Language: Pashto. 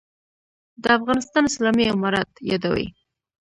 «د افغانستان اسلامي امارت» یادوي.